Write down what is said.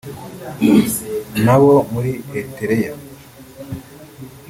n’abo muri Eritereya